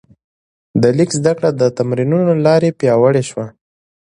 د لیک زده کړه د تمرینونو له لارې پیاوړې شوه.